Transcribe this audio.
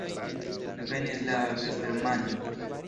Venis la vespermanĝo.